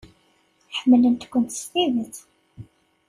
Ḥemmlent-kent s tidet.